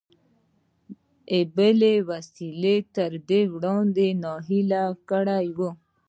بلې وسيلې تر دې وړاندې ناهيلی کړی و.